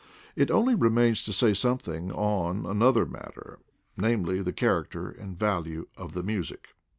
It only remains to say something on another matter — namely, the character and value of the music.